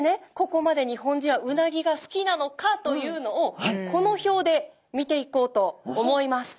ここまで日本人はうなぎが好きなのかというのをこの表で見ていこうと思います！